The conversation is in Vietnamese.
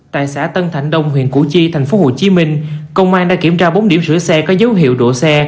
tại xã tân thạnh đông huyện củ chi tp hcm công an đã kiểm tra bốn điểm sửa xe có dấu hiệu đổ xe